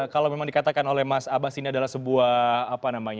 kalau memang dikatakan oleh mas abang sini adalah sebuah